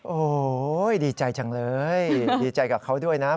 โอ้โหดีใจจังเลยดีใจกับเขาด้วยนะ